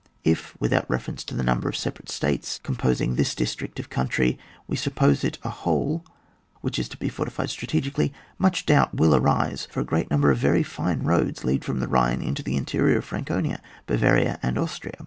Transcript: If, without reference to the number of separate states composing this district of coimtry, we suppose it a whole which is to be fortified strategi cally, much doubt will arise, for a great number of very fine roads lead from the Bhine into the interior of Franconia, Bavaria, and Austria.